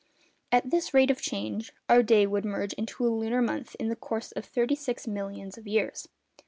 At this rate of change, our day would merge into a lunar month in the course of thirty six thousand millions of years.